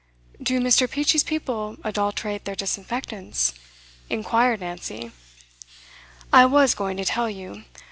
'Do Mr. Peachey's people adulterate their disinfectants?' inquired Nancy. 'I was going to tell you.